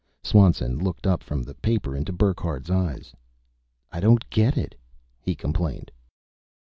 Swanson looked up from the paper into Burckhardt's eyes. "I don't get it," he complained.